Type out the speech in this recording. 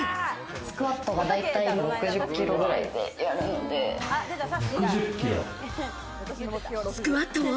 スクワットが大体６０キロくらいでやるので。